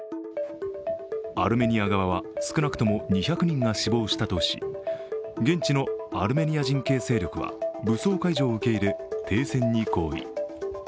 アルメニア側は、少なくとも２００人が死亡したとし現地のアルメニア人系勢力は武装解除を受け入れ、停戦に合意。